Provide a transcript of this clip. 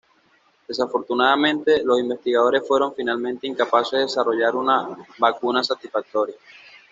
Desafortunadamente, los investigadores fueron finalmente incapaces de desarrollar una vacuna satisfactoria.